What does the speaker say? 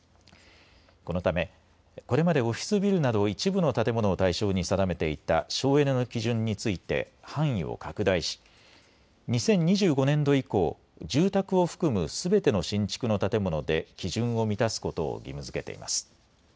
このためこれまでオフィスビルなど一部の建物を対象に定めていた省エネの基準について範囲を拡大し２０２５年度以降、住宅を含むすべての新築の建物で基準を満たすことを義務づけています。